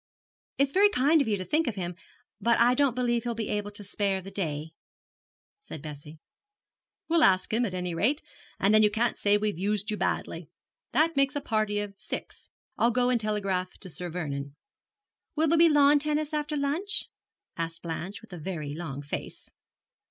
'It's very kind of you to think of him; but I don't believe he'll be able to spare the day,' said Bessie. 'We'll ask him, at any rate, and then you can't say we've used you badly. That makes a party of six. I'll go and telegraph to Sir Vernon.' 'Will there be lawn tennis after lunch?' asked Blanche, with a very long face.